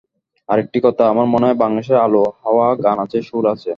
আরেকটি কথা, আমার মনে হয়, বাংলাদেশের আলো-হাওয়ায় গান আছে, সুর আছে।